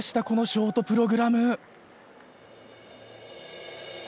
このショートプログラム。